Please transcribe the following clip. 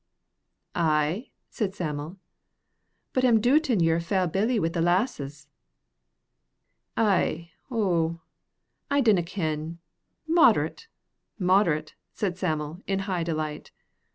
"Ay," said Sam'l. "But am dootin' ye're a fell billy wi' the lasses." "Ay, oh, I d'na kin, moderate, moderate," said Sam'l, in high delight.